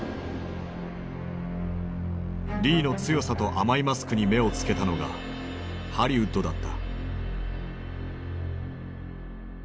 リーの強さと甘いマスクに目を付けたのがハリウッドだった。